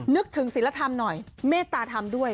นึกถึงศิลธรรมหน่อยเมตตาธรรมด้วย